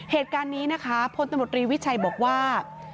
เหตุการณ์นี้นะคะพลตำรวจรีวิชัยบอกว่า